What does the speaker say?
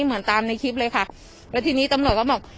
เหมือนตามในคลิปเลยค่ะแล้วทีนี้ตำรวจก็บอก